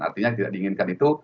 artinya tidak diinginkan itu